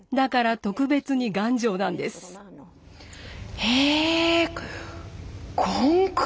へえ！